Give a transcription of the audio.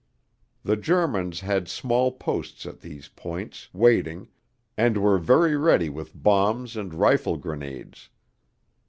The Germans had small posts at these points, waiting, and were very ready with bombs and rifle grenades.